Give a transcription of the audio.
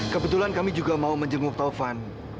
kebetulan kami juga mau menjenguk taufan